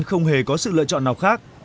không hề có sự lựa chọn nào khác